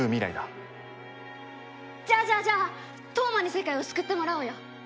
じゃあじゃあじゃあ飛羽真に世界を救ってもらおうよ。